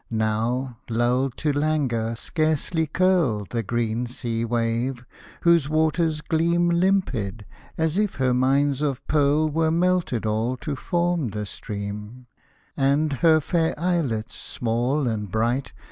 Now, lulled to languor, scarcely curl The Green Sea wave, whose waters gleam Limpid, as if her mines of pearl Were melted all to form the stream : And her fair islets, small and bright.